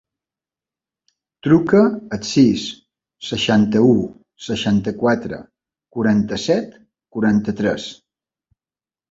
Truca al sis, seixanta-u, seixanta-quatre, quaranta-set, quaranta-tres.